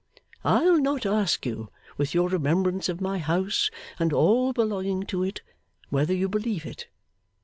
I'll not ask you, with your remembrance of my house and all belonging to it, whether you believe it.